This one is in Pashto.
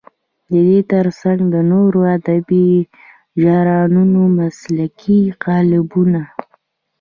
د دې تر څنګ د نورو ادبي ژانرونو مسلکي قالبونه.